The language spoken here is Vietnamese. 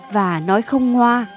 và nói không hoa